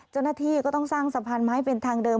เจ้าหน้าที่ก็ต้องสร้างสะพานไม้เป็นทางเดิม